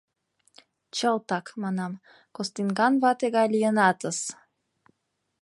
Чылтак, — манам, — Костинган вате гай лийынатыс!